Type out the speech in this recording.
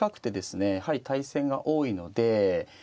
やはり対戦が多いのではい。